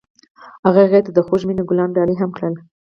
هغه هغې ته د خوږ مینه ګلان ډالۍ هم کړل.